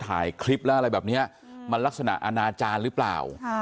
ถ่ายคลิปแล้วอะไรแบบนี้มันลักษณะอนาจารย์หรือเปล่า